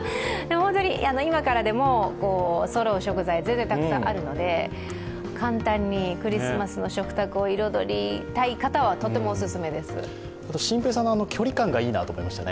本当に今からでもそろう食材が全然あるので簡単にクリスマスの食卓を彩りたい方は心平さんの距離感がいいと思いましたね。